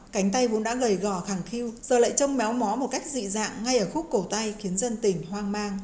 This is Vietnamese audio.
cánh tay vốn đã gầy gò khẳng khiêu giờ lại trông méo mó một cách dị dạng ngay ở khúc cổ tay khiến dân tỉnh hoang mang